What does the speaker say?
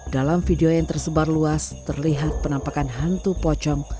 dalam video yang tersebar luas terlihat penampakan hantu pocong